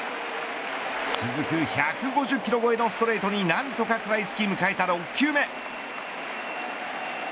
続く１５０キロ越えのストレートに何とか食らいつき迎えた６球目。